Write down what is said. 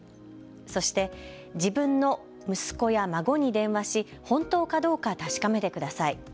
そして自分の息子や孫に電話し本当かどうか確かめてください。